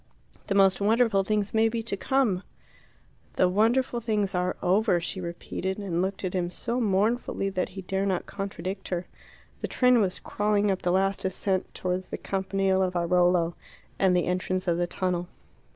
The most wonderful things may be to come " "The wonderful things are over," she repeated, and looked at him so mournfully that he dare not contradict her. The train was crawling up the last ascent towards the Campanile of Airolo and the entrance of the tunnel.